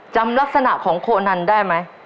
จำลักษณะของโคนันได้ไหม